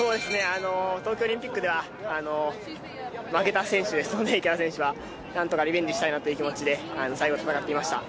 東京オリンピックでは負けた選手ですので池田選手は。なんとかリベンジしたいなという気持ちで最後、戦っていました。